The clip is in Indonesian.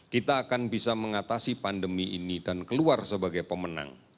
kita akan bisa mengatasi pandemi ini dan keluar sebagai pemenang